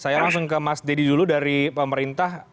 saya langsung ke mas deddy dulu dari pemerintah